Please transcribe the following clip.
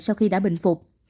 sau khi đã bệnh phục